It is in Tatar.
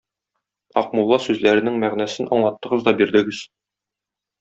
Акмулла сүзләренең мәгънәсен аңлаттыгыз да бирдегез.